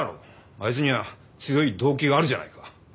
あいつには強い動機があるじゃないか。